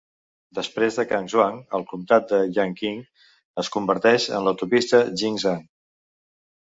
Després de Kangzhuang al comtat de Yanqing es converteix en l'autopista Jingzhang.